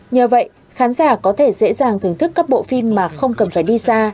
nhờ vậy khán giả có thể dễ dàng thưởng thức các bộ phim mà không cần phải đi xa